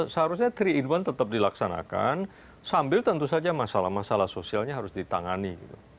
seharusnya tiga in satu tetap dilaksanakan sambil tentu saja masalah masalah sosialnya harus ditangani